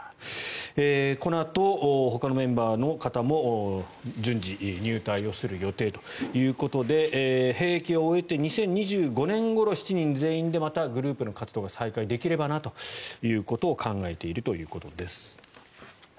このあとほかのメンバーの方も順次、入隊をする予定ということで兵役を終えて２０２５年ごろ、７人全員でまたグループの活動を再開できればなということを考えているということです。